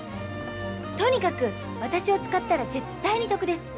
とにかく私を使ったら絶対に得です。